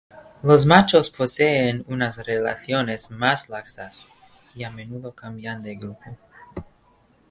Los machos poseen unas relaciones más laxas y a menudo cambian de grupo.